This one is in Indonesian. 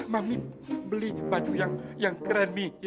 mami beli baju yang keren mi